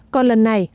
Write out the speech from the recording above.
còn lần này